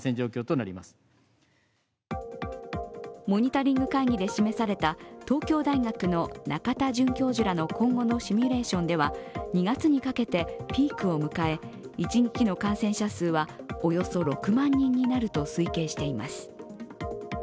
モニタリング会議で示された東京大学の仲田准教授らの今後のシミュレーションでは、２月にかけてピークを迎え、一日の感染者数はおよそ６万人になると推計しています。